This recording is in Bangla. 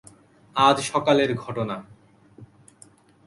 আজ সকালের ঘটনা।